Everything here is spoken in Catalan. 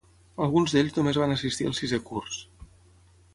Alguns d'ells només van assistir al sisè curs.